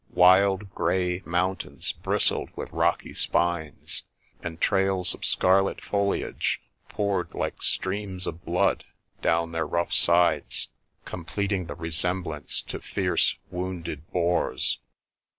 Wild grey moun tains bristled with rocky spines, and trails of scarlet foliage poured like streams of blood down their rough sides, completing the resemblance to fierce, wounded boars.